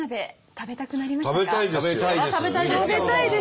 食べたいですよ。